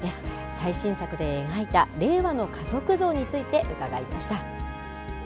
最新作で描いた令和の家族像について伺いました。